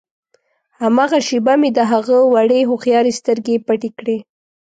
هماغه شېبه مې د هغه وړې هوښیارې سترګې پټې کړې.